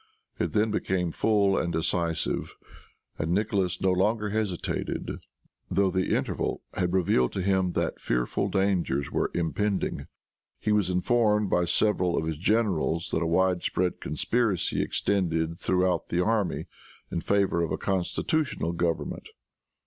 It then came full and decisive, and Nicholas no longer hesitated, though the interval had revealed to him that fearful dangers were impending. He was informed by several of his generals that a wide spread conspiracy extended throughout the army in favor of a constitutional government.